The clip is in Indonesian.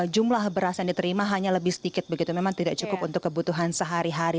jumlah beras yang diterima hanya lebih sedikit begitu memang tidak cukup untuk kebutuhan sehari hari